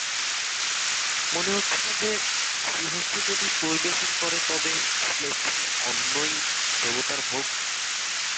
মনে হচ্ছে না যে, শ্রীহস্তে যদি পরিবেশন করে তবে ম্লেচ্ছের অন্নই দেবতার ভোগ?